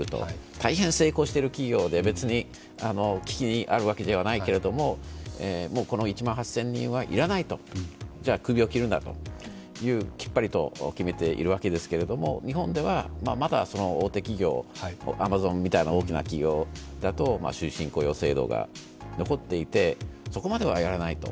大変成功している企業で、別に危機にあるわけではないけれどもうこの１万８０００人は要らないとじゃあ首を切ろうときっぱりと決めているわけですけれども、日本ではまだ大手企業、アマゾンみたいな大きな企業だと終身雇用制度が残っていて、そこまではやらないと。